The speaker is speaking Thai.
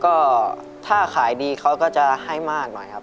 ก็ถ้าขายดีเขาก็จะให้มากหน่อยครับ